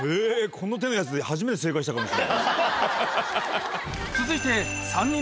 このてのやつで初めて正解したかもしんない。